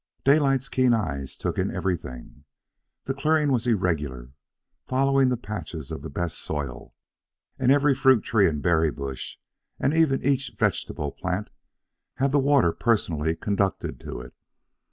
Daylight's keen eyes took in every thing. The clearing was irregular, following the patches of the best soil, and every fruit tree and berry bush, and even each vegetable plant, had the water personally conducted to it.